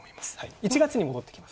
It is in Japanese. １月に戻ってきます。